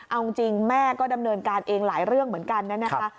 เอาจริงแม่ก็ดำเนินการเองหลายเรื่องเหมือนกันนะนะคะ